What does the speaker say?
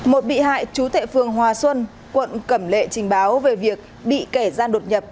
một bị hại chú thệ phường hòa xuân quận cầm lệ trình báo về việc bị kẻ gian đột nhập